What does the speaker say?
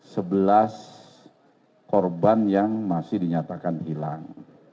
sebelas korban yang masih dinyatakan hilang